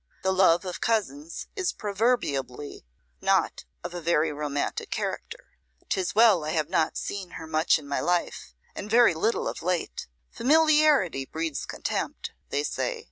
The love of cousins is proverbially not of a very romantic character. 'Tis well I have not seen her much in my life, and very little of late. Familiarity breeds contempt, they say.